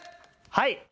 はい。